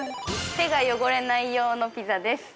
手が汚れない用のピザです。